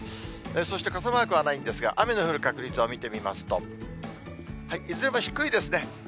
そして傘マークはないんですが、雨の降る確率を見てみますと、いずれも低いですね。